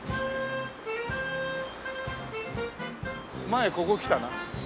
前ここ来たな。